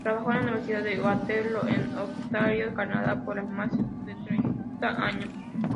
Trabajó en la Universidad de Waterloo, en Ontario, Canadá, por más de treinta años.